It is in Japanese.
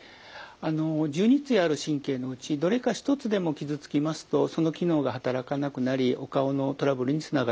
あの１２対ある神経のうちどれか１つでも傷つきますとその機能が働かなくなりお顔のトラブルにつながります。